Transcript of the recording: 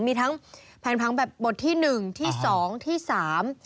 มีทั้งแผนพังแบบบทที่หนึ่งที่สองที่สาม